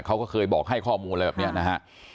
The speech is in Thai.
เขาก็เคยบอกให้ข้อมูลอะไรแบบนี้นะฮะ